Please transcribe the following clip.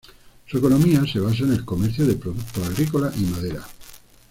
Su economía se basa en el comercio de productos agrícolas y madera.